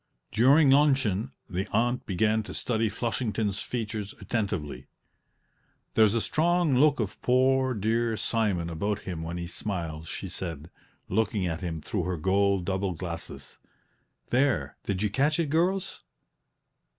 During luncheon the aunt began to study Flushington's features attentively. "There's a strong look of poor, dear Simon about him when he smiles," she said, looking at him through her gold double glasses. "There, did you catch it, girls?